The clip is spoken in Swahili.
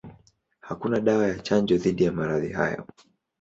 Hakuna dawa ya chanjo dhidi ya maradhi hayo.